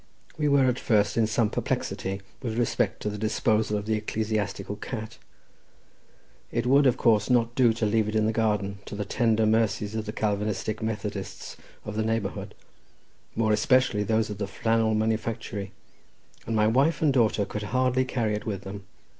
We were at first in some perplexity with respect to the disposal of the ecclesiastical cat; it would, of course, not do to leave it in the garden, to the tender mercies of the Calvinistic Methodists of the neighbourhood, more especially those of the flannel manufactory, and my wife and daughter could hardly carry it with them.